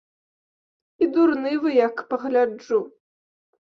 І дурны вы, як пагляджу.